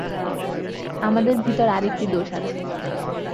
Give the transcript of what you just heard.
আমাদের ভিতর আর একটি দোষ আছে।